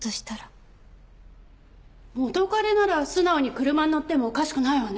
元カレなら素直に車に乗ってもおかしくないわね。